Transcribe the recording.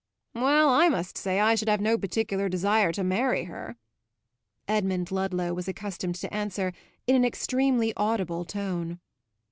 "Well, I must say I should have no particular desire to marry her," Edmund Ludlow was accustomed to answer in an extremely audible tone.